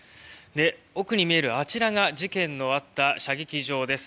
奥に見える、あちらが事件のあった射撃場です。